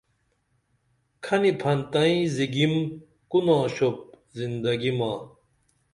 کھنی پھنتئیں زیگُم کو ناشوپ زندگی ما